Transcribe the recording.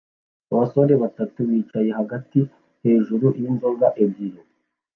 Abasore batatu bicaye bahagaze hejuru yinzoga ebyiri